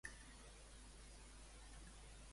Quin càrrec va arribar a ocupar a Esplugues de Llobregat?